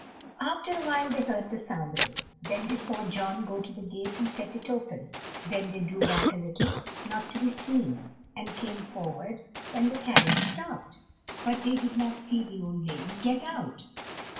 After a while they heard the sound of it; then they saw John go to the gate and set it open; then they drew back a little, not to be seen, and came forward when the carriage stopped, but they did not see the old lady get out.